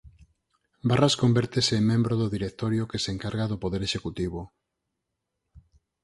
Barras convértese en membro do Directorio que se encarga do poder executivo.